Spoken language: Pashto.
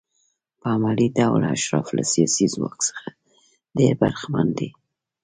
په عملي ډول اشراف له سیاسي ځواک څخه ډېر برخمن دي.